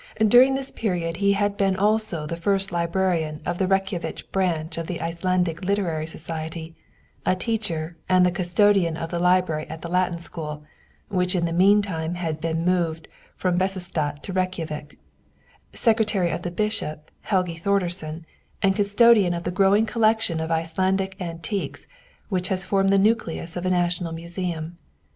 During this period he had been also the first librarian of the Reykjavik branch of the Icelandic Literary Society; a teacher and the custodian of the library at the Latin School, which in the mean time had been moved from Bessastad to Reykjavik; secretary of the bishop, Helgi Thordersen, and custodian of the growing collection of Icelandic antiquities which has formed the nucleus of a national museum.